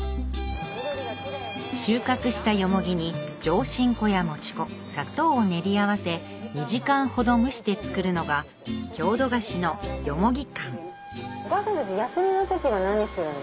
収穫したヨモギに上新粉や餅粉砂糖を練り合わせ２時間ほど蒸して作るのが郷土菓子のよもぎかんお母さんたち休みの時は何するの？